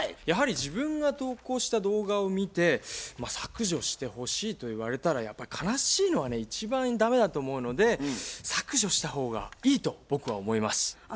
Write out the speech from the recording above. やはり自分が投稿した動画を見て削除してほしいと言われたらやっぱり悲しいのはね一番駄目だと思うので削除した方がいいと僕は思います。